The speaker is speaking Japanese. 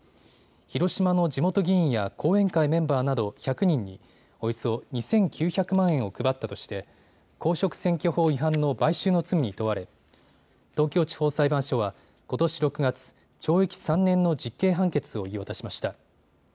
広島の地元議員や後援会メンバーなど１００人におよそ２９００万円を配ったとして公職選挙法違反の買収の罪に問われ東京地方裁判所はことし６月、懲役３年の実刑判決を言い渡しました。